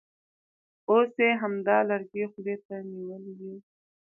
اوس یې همدا لرګی خولې ته نیولی وي.